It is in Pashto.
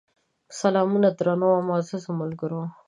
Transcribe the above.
سلامونه درنو او معزز ملګرو!